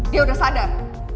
dia udah sadar